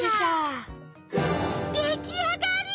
できあがり！